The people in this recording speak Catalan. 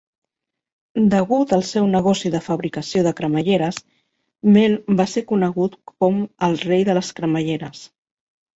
Degut al seu negoci de fabricació de cremalleres, Mel va se conegut com "El Rei de les cremalleres".